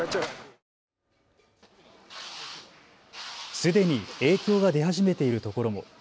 すでに影響が出始めているところも。